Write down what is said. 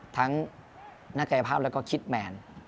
ทั้งนักกายภาพแล้วก็คิดแมน